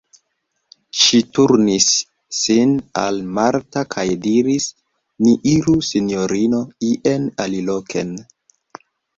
Ŝi turnis sin al Marta kaj diris: -- Ni iru, sinjorino, ien aliloken.